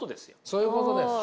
そういうことです。